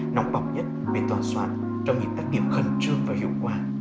nóng bỏng nhất về tòa soạn cho những tác nghiệp khẩn trương và hiệu quả